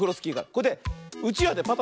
これでうちわでパタパタして。